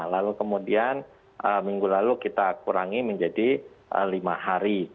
lalu kemudian minggu lalu kita kurangi menjadi lima hari